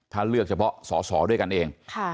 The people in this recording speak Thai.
ถ้าเลือกเฉพาะสอสอด้วยกันเอง